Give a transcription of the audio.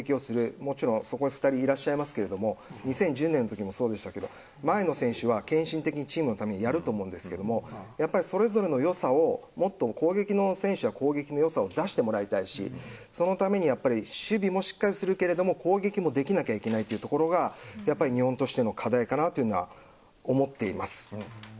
もちろん、そこに２人いらっしゃいますけど２０１０年の時もそうでしたけど前の選手は献身的にチームのためにやると思いますがやっぱりそれぞれの良さをもっと攻撃の選手は攻撃の良さを出してもらいたいしそのためには守備もしっかりするけれども攻撃もできなきゃいけないというところが日本としての課題かなと思っています。